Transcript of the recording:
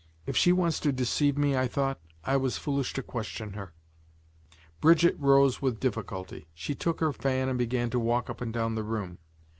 "If she wants to deceive me," I thought, "I was foolish to question her." Brigitte arose with difficulty; she took her fan and began to walk up and down the room.